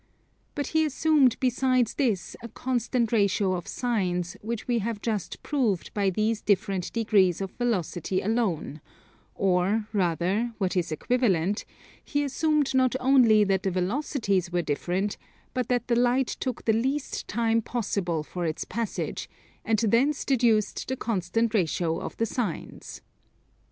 But he assumed besides this a constant ratio of Sines, which we have just proved by these different degrees of velocity alone: or rather, what is equivalent, he assumed not only that the velocities were different but that the light took the least time possible for its passage, and thence deduced the constant ratio of the Sines.